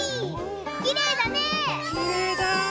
きれいだね！